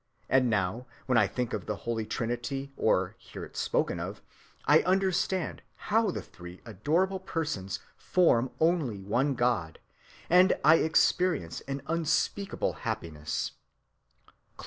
and now, when I think of the holy Trinity, or hear It spoken of, I understand how the three adorable Persons form only one God and I experience an unspeakable happiness."